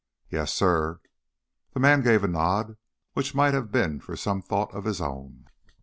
"Yes, suh." The man gave a nod, which might have been for some thought of his own.